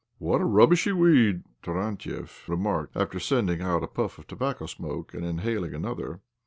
" What a rubbishy weed !" Tarantiev remarked, after sending out a puff of tobacco smoke and inhaling another.